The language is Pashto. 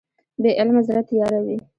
بې علمه زړه تیاره وي.